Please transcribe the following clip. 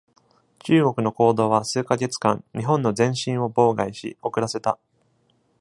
中国の行動は数カ月間、日本の前進を妨害し、遅らせた。